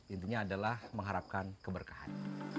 intinya adalah mengharapkan keberkahan